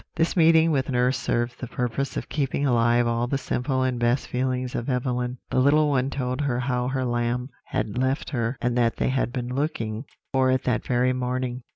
"This meeting with nurse served the purpose of keeping alive all the simple and best feelings of Evelyn. The little one told her how her lamb had left her, and that they had been looking for it that very morning.